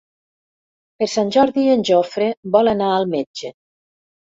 Per Sant Jordi en Jofre vol anar al metge.